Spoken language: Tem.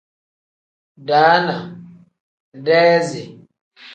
Daana pl: deezi n.